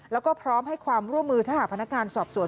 แล้วก็พร้อมให้ความร่วมมือถ้าหากพนักงานสอบสวน